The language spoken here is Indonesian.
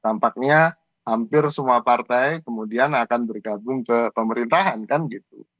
tampaknya hampir semua partai kemudian akan bergabung ke pemerintahan kan gitu